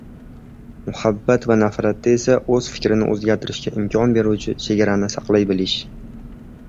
muhabbat va nafratda esa o‘z fikrini o‘zgartirishga imkon beruvchi chegarani saqlay bilish.